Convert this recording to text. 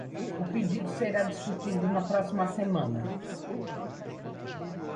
O pedido será discutido na próxima semana.